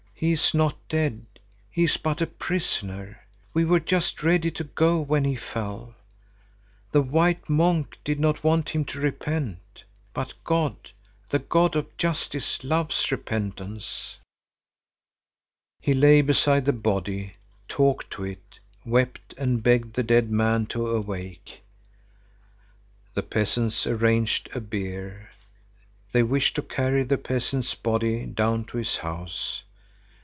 He is not dead, he is but a prisoner. We were just ready to go when he fell. The white monk did not want him to repent, but God, the God of justice, loves repentance." He lay beside the body, talked to it, wept and begged the dead man to awake. The peasants arranged a bier. They wished to carry the peasant's body down to his house.